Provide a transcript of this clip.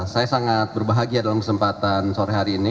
saya sangat berbahagia dalam kesempatan sore hari ini